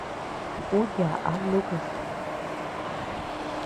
Ú yaʼa nukud.